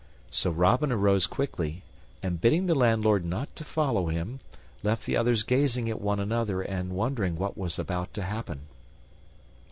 So Robin arose quickly, and, bidding the landlord not to follow him, left the others gazing at one another, and wondering what was about to happen.